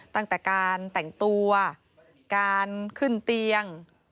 ตั้งแต่การแต่งตัวการขึ้นเตียง